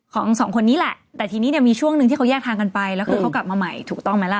สองคนนี้แหละแต่ทีนี้เนี่ยมีช่วงหนึ่งที่เขาแยกทางกันไปแล้วคือเขากลับมาใหม่ถูกต้องไหมล่ะ